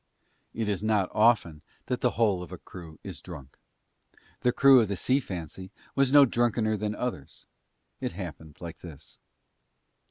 It is not often that the whole of a crew is drunk. The crew of the Sea Fancy was no drunkener than others. It happened like this.